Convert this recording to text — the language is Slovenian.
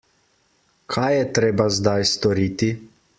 Kaj je treba zdaj storiti?